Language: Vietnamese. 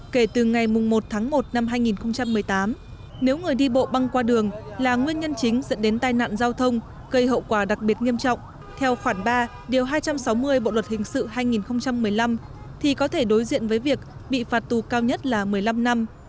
kể từ ngày một tháng một năm hai nghìn một mươi tám nếu người đi bộ băng qua đường là nguyên nhân chính dẫn đến tai nạn giao thông gây hậu quả đặc biệt nghiêm trọng theo khoảng ba điều hai trăm sáu mươi bộ luật hình sự hai nghìn một mươi năm thì có thể đối diện với việc bị phạt tù cao nhất là một mươi năm năm